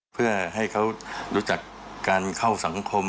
เพื่อให้เขารู้จักการเข้าสังคม